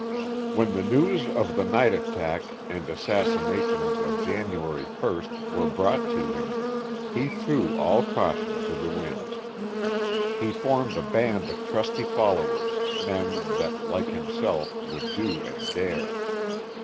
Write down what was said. When the news of the night attack and assassinations of January 1st were brought to him, he threw all caution to the winds. He formed a band of trusty followers, men that, like himself, would do and dare.